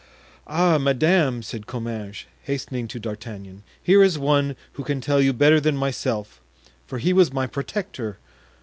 "Ah, madame," said Comminges, hastening to D'Artagnan, "here is one who can tell you better than myself, for he was my protector.